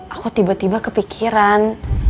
aku tiba tiba kepikiran